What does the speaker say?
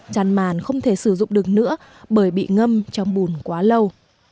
chăn màn không thể sử dụng được nữa bởi bị ngâm trong bùn quá lâu